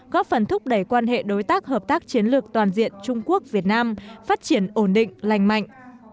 góp phần thúc đẩy quan hệ đối tác hợp tác chiến lược toàn diện trung quốc việt nam phát triển ổn định lành mạnh